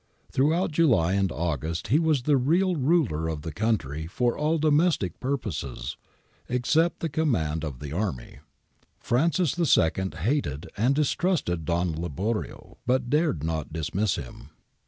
Through out July and August he was the real ruler of the country for all domestic purposes except the command of the army. Francis II hated and distrusted Don Liborio, but dared not dismiss him.